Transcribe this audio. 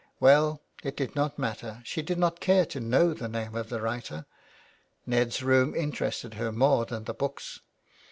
Well, it did not matter, she did not care to know the name of the writer — Ned's room interested her more than the books.